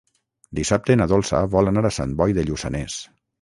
Dissabte na Dolça vol anar a Sant Boi de Lluçanès.